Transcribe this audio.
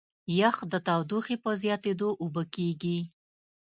یخ د تودوخې په زیاتېدو اوبه کېږي.